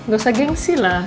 gak usah gengsi lah